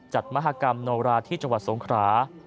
มหากรรมโนราที่จังหวัดสงครา